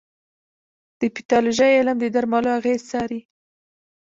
د پیتالوژي علم د درملو اغېز څاري.